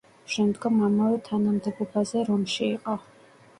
შემდგომ ამავე თანამდებობაზე რომში იყო.